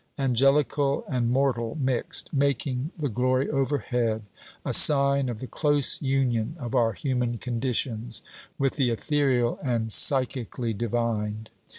Angelical and mortal mixed, making the glory overhead a sign of the close union of our human conditions with the ethereal and psychically divined.